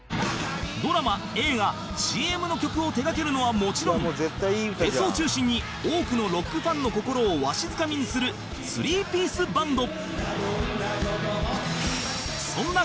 ドラマ映画 ＣＭ の曲を手掛けるのはもちろんフェスを中心に多くのロックファンの心をわしづかみにするスリーピースバンド